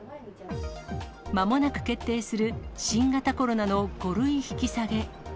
まもなく決定する新型コロナの５類引き下げ。